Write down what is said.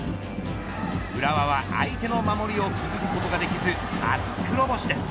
浦和は相手の守りを崩すことができず初黒星です。